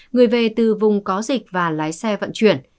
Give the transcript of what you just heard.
người về từ vùng có dịch và lái xe vận chuyển